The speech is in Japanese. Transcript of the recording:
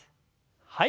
はい。